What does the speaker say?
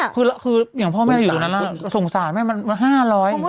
คืออย่างพ่อแม่อยู่นั้นสงสารแม่มัน๕๐๐บาท